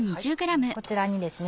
こちらにですね